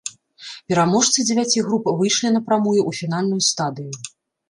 Пераможцы дзевяці груп выйшлі напрамую ў фінальную стадыю.